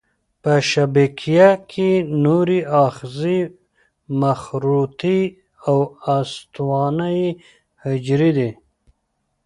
په شبکیه کې نوري آخذې مخروطي او استوانه یي حجرې دي.